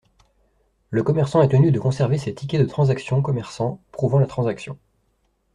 Le commerçant est tenu de conserver ses tickets de transactions commerçants prouvant la transaction.